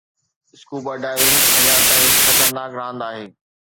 scuba diving اڃا تائين هڪ خطرناڪ راند آهي